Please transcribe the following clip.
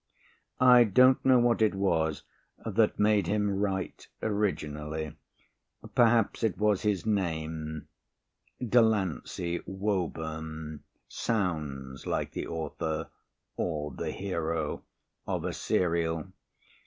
I don't know what it was that made him write originally. Perhaps it was his name Delancey Woburn sounds like the author or the hero of a serial.